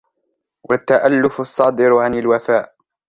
وَالتَّأَلُّفُ الصَّادِرُ عَنْ الْوَفَاءِ